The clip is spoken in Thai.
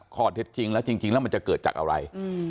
ข้อเท็จจริงแล้วจริงแล้วมันจะเกิดจากอะไร